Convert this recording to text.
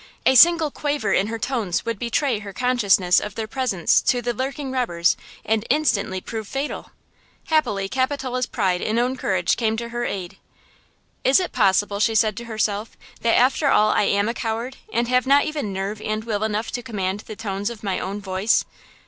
A single quaver in her tones would betray her consciousness of their presence to the lucking robbers and prove instantly fatal! Happily Capitola's pride in own courage came to her aid. "Is it possible," she said to herself, "that after all I am a coward and have not even nerve and will enough to command the tones of my own voice?